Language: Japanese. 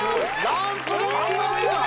ランプがつきましたー